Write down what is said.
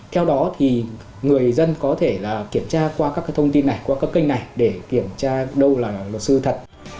theo đó thì người dân có thể kiểm tra qua các thông tin này qua các kênh này để kiểm tra đâu là luật sư thật